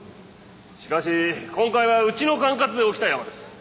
しかし今回はうちの管轄で起きたヤマです。